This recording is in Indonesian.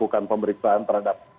lakukan pemeriksaan terhadap